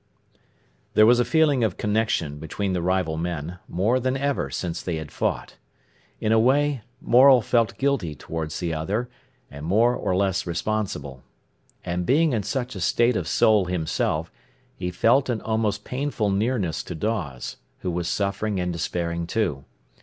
There was a feeling of connection between the rival men, more than ever since they had fought. In a way Morel felt guilty towards the other, and more or less responsible. And being in such a state of soul himself, he felt an almost painful nearness to Dawes, who was suffering and despairing, too.